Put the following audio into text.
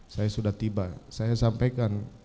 saya sudah tiba saya sampaikan